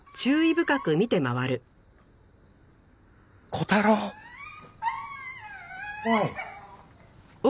小太郎おい。